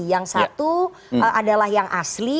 yang satu adalah yang asli